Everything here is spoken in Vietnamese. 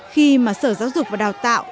khi mà sở giáo dục và đào tạo